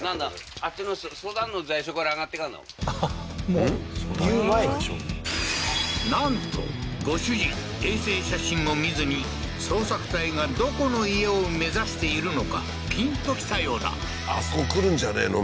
もう言う前になんとご主人衛星写真も見ずに捜索隊がどこの家を目指しているのかピンときたようだあそこ来るんじゃねえの？